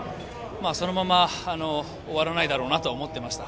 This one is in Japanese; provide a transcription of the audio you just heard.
そのまま終わらないだろうなとは思っていました。